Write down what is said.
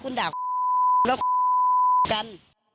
คุณด่าวกับกัน